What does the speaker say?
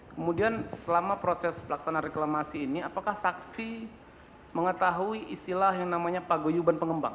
kemudian selama proses pelaksanaan reklamasi ini apakah saksi mengetahui istilah yang namanya paguyuban pengembang